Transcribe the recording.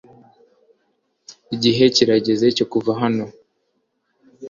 igihe kirageze cyo kuva hano